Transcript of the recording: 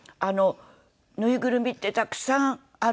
ぬいぐるみってたくさんあるのに。